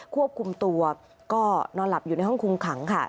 ควบคุมตัวก็นอนหลับอยู่ในห้องคุมขังค่ะ